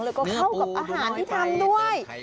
แล้วก็เข้ากับอาหารที่ทำด้วย